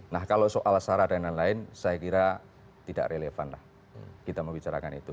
nah kalau soal sarah dan lain lain saya kira tidak relevan lah kita membicarakan itu